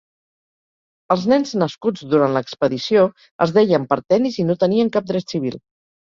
Els nens nascuts durant l'expedició es deien partenis i no tenien cap dret civil.